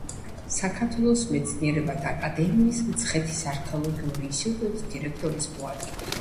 საქართველოს მეცნიერებათა აკადემიის მცხეთის არქეოლოგიური ინსტიტუტის დირექტორის მოადგილე.